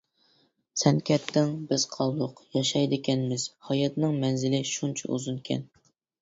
سەن كەتتىڭ بىز قالدۇق ياشايدىكەنمىز، ھاياتنىڭ مەنزىلى شۇنچە ئۇزۇنكەن.